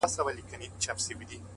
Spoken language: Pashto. پوهه د تعصب دیوالونه نړوي؛